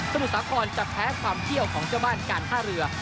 มุทรสาครจะแพ้ความเที่ยวของเจ้าบ้านการท่าเรือ